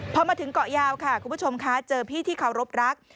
พอมาถึงเกาะยาวค่ะคุณผู้ชมคะเจอพี่ที่เคารพรัก